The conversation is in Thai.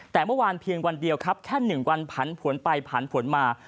แต่เมื่อวานเพียงวันเดียวครับแค่๑วันผันผวนไปผันผวนมา